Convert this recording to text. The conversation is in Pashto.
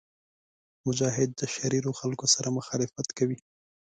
مجاهد د شریرو خلکو سره مخالفت کوي.